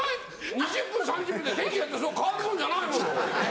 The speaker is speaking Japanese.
２０分３０分で天気なんて変わるもんじゃないもの。